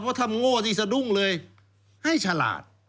เพราะว่าทำโง่สิสดุ้งเลยให้ฉลาด